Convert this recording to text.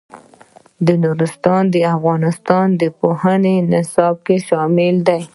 نورستان د افغانستان د پوهنې نصاب کې شامل دي.